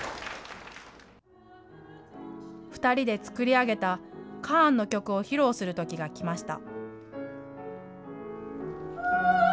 ２人で作り上げたカーンの曲を披露するときが来ました。